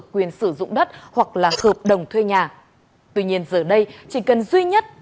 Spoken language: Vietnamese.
quyền sử dụng đất hoặc là hợp đồng thuê nhà